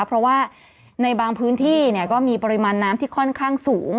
เพราะว่าในบางพื้นที่ก็มีปริมาณน้ำที่ค่อนข้างสูง